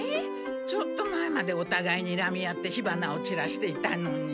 ちょっと前までおたがいにらみ合って火花をちらしていたのに。